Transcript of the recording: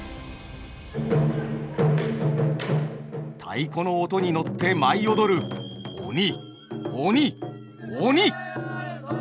太鼓の音に乗って舞い踊る鬼鬼鬼！